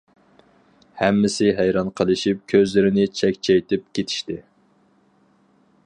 ھەممىسى ھەيران قېلىشىپ كۆزلىرىنى چەكچەيتىپ كېتىشتى.